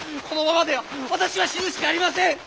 このままでは私は死ぬしかありません！